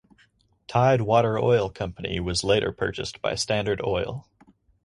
Tide Water Oil Company was later purchased by Standard Oil.